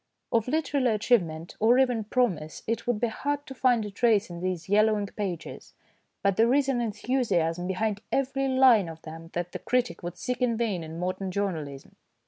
Of literary achieve ment or even promise it would be hard to find a trace in these yellowing pages, but there is an enthusiasm behind every line of them that the critic would seek in vain in modern journalism.